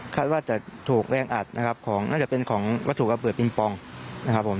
ว่าจะถูกแรงอัดนะครับของน่าจะเป็นของวัตถุระเบิดปิงปองนะครับผม